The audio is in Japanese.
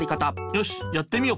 よしやってみよ。